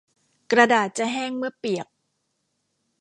กระดาษจะแห้งเมื่อเปียก